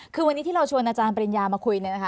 คือวันนี้ที่เราชวนอาจารย์ปริญญามาคุยเนี่ยนะคะ